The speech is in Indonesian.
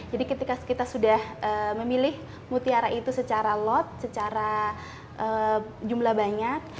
jadi ketika kita sudah memilih mutiara itu secara lot secara jumlah banyak